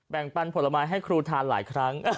ปันผลไม้ให้ครูทานหลายครั้ง